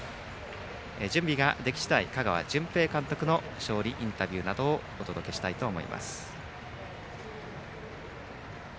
準備ができ次第、香川純平監督の勝利インタビューなどをお届けしたいと思います。